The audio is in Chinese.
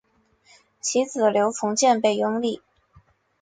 其子刘从谏被拥立。